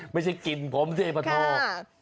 ไม่ใช่กลิ่นผมใช่ประโทษ